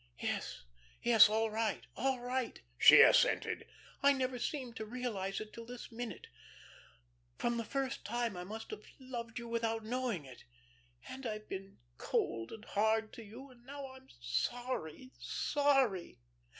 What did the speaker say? "Yes, yes, all right, all right," she assented. "I never seemed to realise it till this minute. From the first I must have loved you without knowing it. And I've been cold and hard to you, and now I'm sorry, sorry.